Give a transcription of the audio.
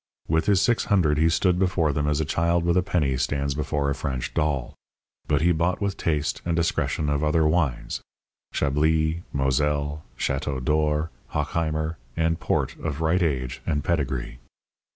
With his six hundred he stood before them as a child with a penny stands before a French doll. But he bought with taste and discretion of other wines Chablis, Moselle, Château d'Or, Hochheimer, and port of right age and pedigree.